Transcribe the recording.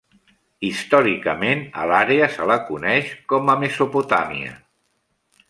Històricament, a l'àrea se la coneix com a Mesopotàmia.